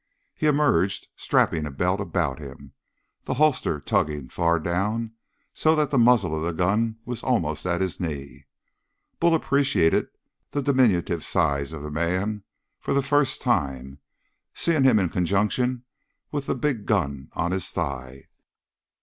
He emerged strapping a belt about him, the holster tugging far down, so that the muzzle of the gun was almost at his knee. Bull appreciated the diminutive size of the man for the first time, seeing him in conjunction with the big gun on his thigh.